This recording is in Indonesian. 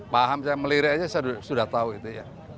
paham saya melirik saja sudah tahu itu ya